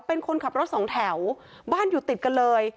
เป็นคนขับรถสองแถวบ้านอยู่ติดกันเลย